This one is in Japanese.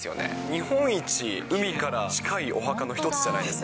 日本一、海から近いお墓の一つじゃないですか。